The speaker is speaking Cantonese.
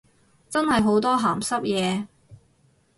真係好多鹹濕嘢